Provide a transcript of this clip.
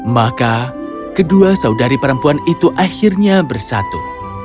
maka kedua saudari perempuan itu akhirnya bersatu